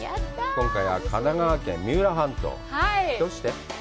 今回は、神奈川県三浦半島。どうして？